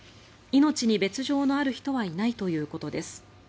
命に別条のある人はいないということです。